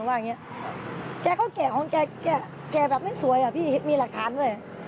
แกะก็แกะของแกะแกะแบบไม่สวยมีหลักฐานด้วย